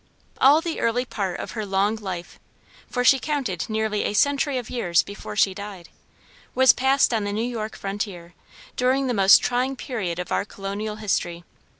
All the early part of her long life, (for she counted nearly a century of years before she died,) was passed on the New York frontier, during the most trying period of our colonial history.